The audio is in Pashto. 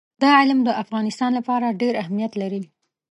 دا علم د افغانستان لپاره ډېر اهمیت لري.